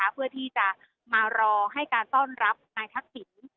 เพื่อที่จะมารอให้การต้อนรับนายทักษิณ